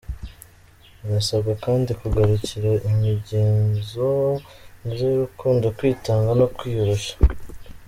Murasabwa kandi kugarukira imigenzo myiza y’urukundo, kwitanga no kwiyoroshya.